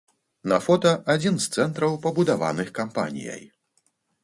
На фота адзін з цэнтраў пабудаваных кампаніяй.